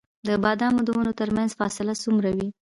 د بادامو د ونو ترمنځ فاصله څومره وي؟